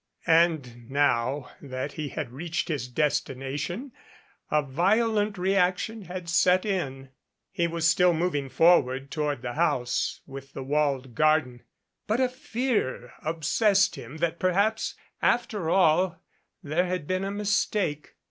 And now that he had reached his destination, a violent reaction had set in. He was still moving forward toward the house with the walled garden, but a fear obsessed him that perhaps after all there had been a mistake.